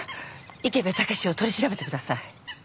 池部武史を取り調べてください。